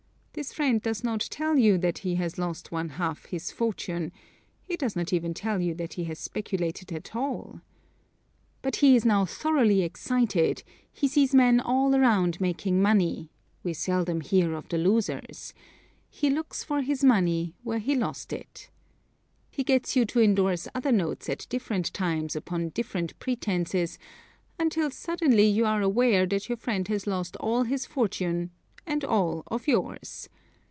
This friend does not tell you that he has lost one half his fortune he does not even tell you that he has speculated at all. But he is now thoroughly excited, he sees men all around making money we seldom hear of the losers "he looks for his money where he lost it." He gets you to endorse other notes at different times upon different pretenses until suddenly you are aware that your friend has lost all his fortune and all of yours.